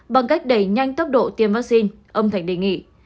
bằng cách đẩy nhanh tốc độ tiêm vaccine ông thành đề nghị